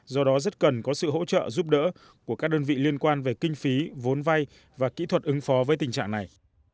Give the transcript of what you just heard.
do đó rất cần có sự hỗ trợ giúp đỡ của các đơn vị liên quan về kinh phí vốn vay và kỹ thuật ứng phó với tình trạng này